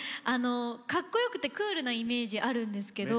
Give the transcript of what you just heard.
かっこよくてクールなイメージあるんですけど。